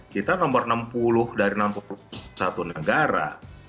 kita nomor enam puluh dari enam puluh satu negara